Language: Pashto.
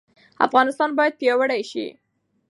افغانستان باید پیاوړی شي.